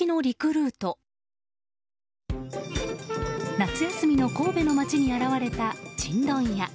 夏休みの神戸の街に現れたちんどん屋。